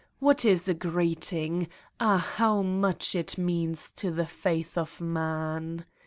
What is a greeting? ah, how much it means to the faith of man!